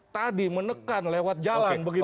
tadi menekan lewat jalan begitu